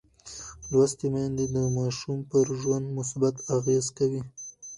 لوستې میندې د ماشوم پر ژوند مثبت اغېز کوي.